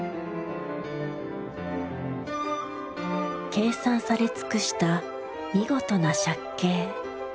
計算され尽くした見事な借景。